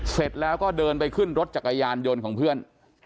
เสร็จแล้วก็เดินไปขึ้นรถจักรยานยนต์ของเพื่อน